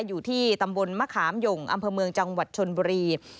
อยู่ที่ตำบลมะขามหย่งอำเภอเมืองจังหวัดชนบุรี